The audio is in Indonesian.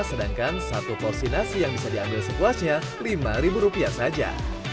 sedangkan satu porsi nasi yang bisa diambil sepuasnya lima ribu rupiah saja